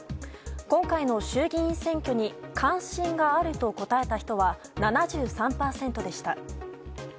今回の衆議院選挙に関心があると答えた人は７３％でした。